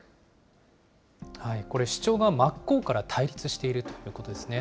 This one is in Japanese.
これ、主張が真っ向から対立しているということですね。